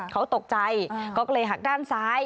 เขาตกใจเขาก็เลยหักด้านซ้าย